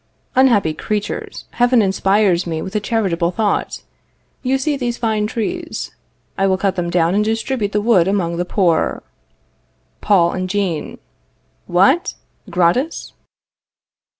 Unhappy creatures, Heaven inspires me with a charitable thought. You see these fine trees. I will cut them down and distribute the wood among the poor. Paul and Jean. What! gratis?